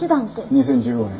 ２０１５年